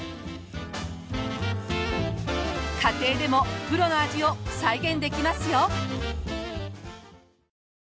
家庭でもプロの味を再現できますよ！